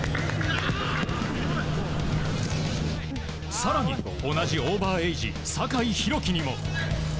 更に、同じオーバーエージ酒井宏樹にも。